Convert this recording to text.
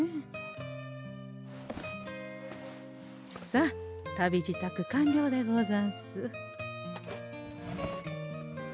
さあ旅支度完了でござんす。